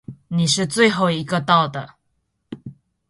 你是最后一个到的。